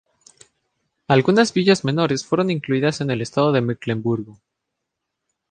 Algunas villas menores fueron incluidas en el Estado de Mecklemburgo.